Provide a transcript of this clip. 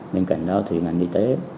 bên cạnh đó thì ngành y tế